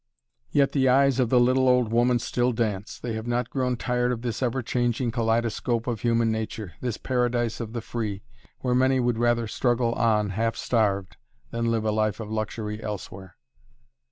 Yet the eyes of the little old woman still dance; they have not grown tired of this ever changing kaleidoscope of human nature, this paradise of the free, where many would rather struggle on half starved than live a life of luxury elsewhere.